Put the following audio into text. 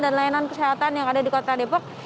dan layanan kesehatan yang ada di kota depok